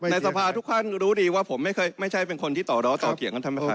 ในสภาทุกท่านรู้ดีว่าผมไม่เคยไม่ใช่เป็นคนที่ต่อล้อต่อเถียงกับท่านประธาน